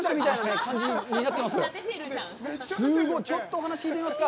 ちょっとお話聞いてみますか。